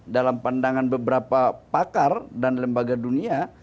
dalam pandangan beberapa pakar dan lembaga dunia